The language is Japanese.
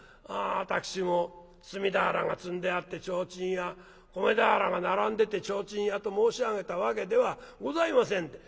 私も炭俵が積んであって提灯屋米俵が並んでて提灯屋と申し上げたわけではございませんで。